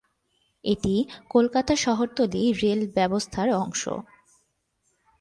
এটি কলকাতা শহরতলি রেল ব্যবস্থার অংশ।